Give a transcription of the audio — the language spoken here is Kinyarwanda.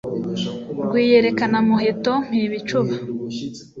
rwiyerekana-muheto mpibicuba